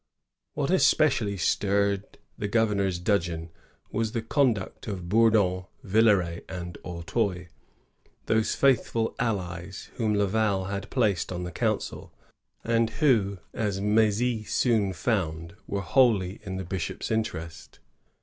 What especially stirred the governor's dudgeon was the conduct of Bourdon, Villeray, and Auteuil, those faithful allies whom Laval had placed on the council, and who, as M^zy soon found, were wholly in the bishop's interest.